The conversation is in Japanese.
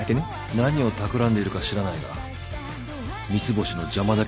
何をたくらんでいるか知らないが三ツ星の邪魔だけは許さないからな。